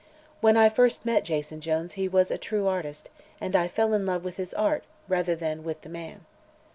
When I first met Jason Jones he was a true artist and I fell in love with his art rather than with the man.